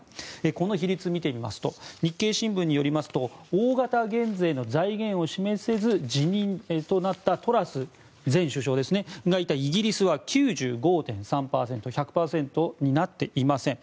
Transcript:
この比率を見てみますと日経新聞によりますと大型減税の財源を示せず辞任となったトラス前首相がいたイギリスは９５．３％１００％になっていません。